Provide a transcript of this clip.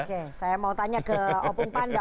oke saya mau tanya ke opung panda